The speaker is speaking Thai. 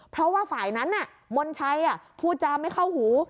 เพราะว่าฝ่ายนั้นมนชัยพูดจาไม่เข้าหู